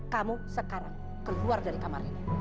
kamu sekarang keluar dari kamar ini